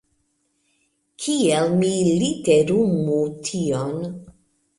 Kiel mi literumu tion?